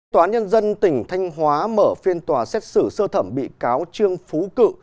tòa án nhân dân tỉnh thanh hóa mở phiên tòa xét xử sơ thẩm bị cáo trương phú cự